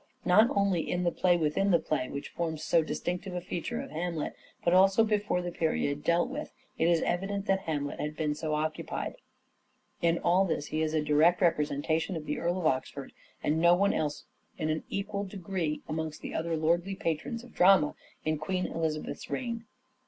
Not only in the play within the play, which forms so distinctive a feature of " Hamlet," but also before the period dealt with, it is evident that Hamlet had been so occupied. In all this he is a direct representation of the Earl of Oxford, and of no one else in an equal degree amongst the other lordly patrons of drama in Queen Elizabeth's reign.